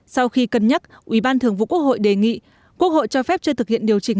sau khi cân nhắc ủy ban thường vụ quốc hội đề nghị quốc hội cho phép chưa thực hiện điều chỉnh